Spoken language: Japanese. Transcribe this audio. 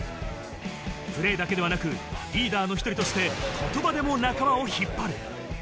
プレーだけではなくリーダーの１人として言葉でも仲間を引っ張る。